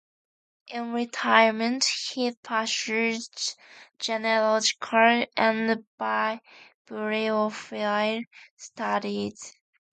In retirement he pursued genealogical and bibliophile studies.